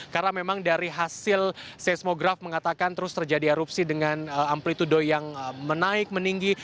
karena memang dari hasil seismograf mengatakan terus terjadi erupsi dengan amplitude yang menaik meninggi